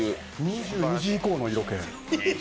２２時以降の色気。